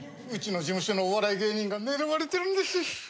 うちの事務所のお笑い芸人が狙われてるんです！